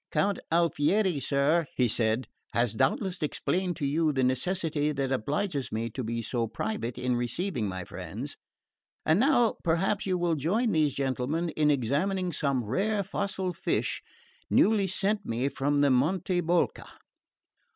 "Count Alfieri, sir," he said, "has doubtless explained to you the necessity that obliges me to be so private in receiving my friends; and now perhaps you will join these gentlemen in examining some rare fossil fish newly sent me from the Monte Bolca."